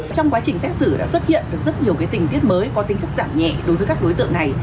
trong quá trình xét xử đã xuất hiện được rất nhiều tình tiết mới có tính chất giảm nhẹ đối với các đối tượng này